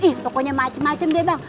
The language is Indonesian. ih pokoknya macem macem deh bang